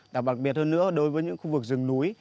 đặc biệt hơn nữa đối với những khu vực rừng núi